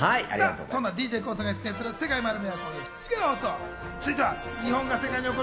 ＤＪＫＯＯさんが出演する『世界まる見え！』は本日７時放送。